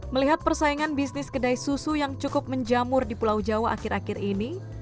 melihat persaingan bisnis kedai susu yang cukup menjamur di pulau jawa akhir akhir ini